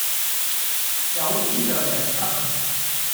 有點像人生